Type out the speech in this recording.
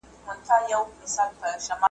لا درته ګوري ژوري کندي `